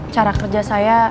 cara kerja saya